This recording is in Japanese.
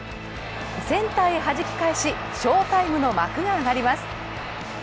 センターへはじき返し、翔タイムの幕が上がります。